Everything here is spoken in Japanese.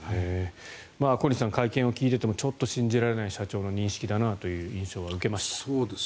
小西さん会見を聞いていても信じられない社長の認識だなという印象を受けました。